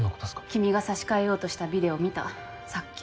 君が差し替えようとしたビデオ見たさっき。